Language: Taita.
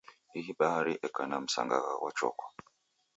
Ihi bahari eka na msangagha ghwa chokwa.